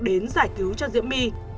đến giải cứu cho diễm my